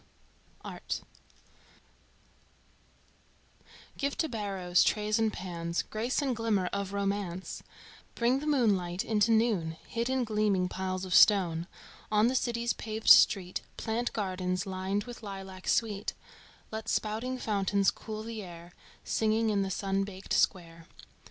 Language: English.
XII. ART Give to barrows trays and pans Grace and glimmer of romance, Bring the moonlight into noon Hid in gleaming piles of stone; On the city's paved street Plant gardens lined with lilac sweet, Let spouting fountains cool the air, Singing in the sun baked square.